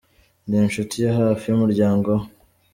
Ndi inshuti ya hafi y’umuryango we.